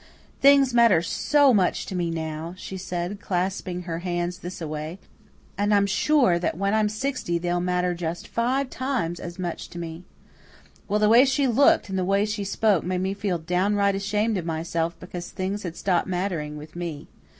'Things matter SO much to me now,' she says, clasping her hands thisaway, 'and I'm sure that when I'm sixty they'll matter just five times as much to me.' Well, the way she looked and the way she spoke made me feel downright ashamed of myself because things had stopped mattering with me.